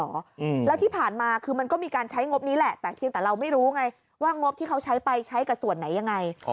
อืมแล้วที่ผ่านมาคือมันก็มีการใช้งบนี้แหละแต่เพียงแต่เราไม่รู้ไงว่างบที่เขาใช้ไปใช้กับส่วนไหนยังไง